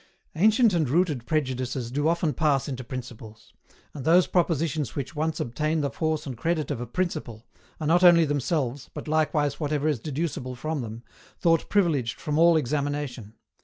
Ancient and rooted prejudices do often pass into principles; and those propositions which once obtain the force and credit of a principle, are not only themselves, but likewise whatever is deducible from them, thought privileged from all examination.